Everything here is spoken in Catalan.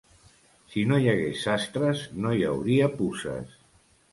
Si no hi hagués sastres, no hi hauria puces.